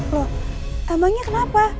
loh emangnya kenapa